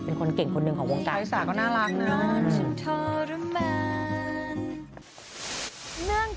เป็นคนเก่งคนหนึ่งของวงกลาง